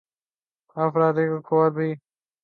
افرادی قوت بھی مل جائے گی خدائے تعالیٰ کا گھر